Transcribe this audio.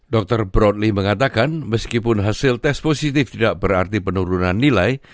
dr broadli mengatakan meskipun hasil tes positif tidak berarti penurunan nilai